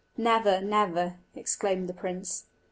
"Never! never!" exclaimed the prince.